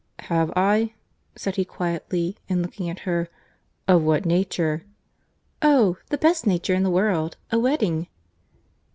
"Have I?" said he quietly, and looking at her; "of what nature?" "Oh! the best nature in the world—a wedding."